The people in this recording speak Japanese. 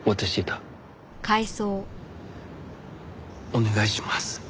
お願いします。